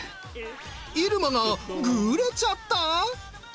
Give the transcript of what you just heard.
入間がグレちゃった